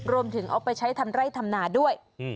รวมถึงเอาไปใช้ทำไร่ทำหนาด้วย